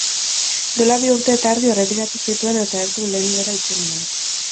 Duela bi urte eta erdi erretiratu zituen eta ez du lehengora itzuli nahi.